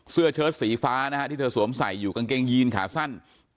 เชิดสีฟ้านะฮะที่เธอสวมใส่อยู่กางเกงยีนขาสั้น